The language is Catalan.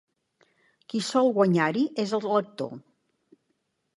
Qui sol guanyar-hi és el lector.